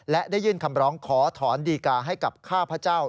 และได้ยื่นคำร้องขอถอนดีกาให้กับข้าพเจ้า